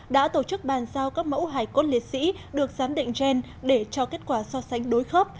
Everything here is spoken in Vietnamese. đã tổ chức bàn giao các mẫu hải cốt liệt sĩ được giám định gen để cho kết quả so sánh đối khớp